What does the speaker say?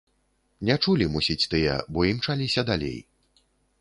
Не чулі, мусіць, тыя, бо імчаліся далей.